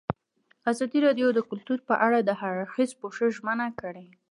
ازادي راډیو د کلتور په اړه د هر اړخیز پوښښ ژمنه کړې.